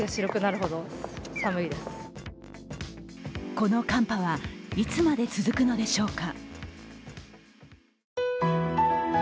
この寒波はいつまで続くのでしょうか。